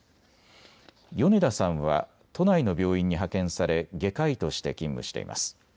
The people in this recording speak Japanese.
米田さんは都内の病院に派遣され外科医として勤務しています。